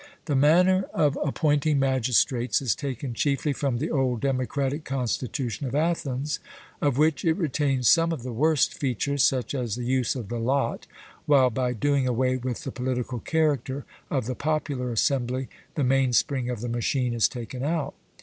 The manner of appointing magistrates is taken chiefly from the old democratic constitution of Athens, of which it retains some of the worst features, such as the use of the lot, while by doing away with the political character of the popular assembly the mainspring of the machine is taken out.